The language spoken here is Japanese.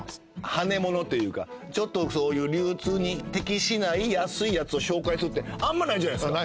はねものというかちょっとそういう流通に適しない安いやつを紹介するってあんまないじゃないですか。